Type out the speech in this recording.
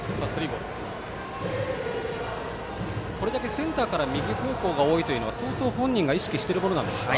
これだけセンターから右方向が多いというのは相当本人が意識しているんでしょうか？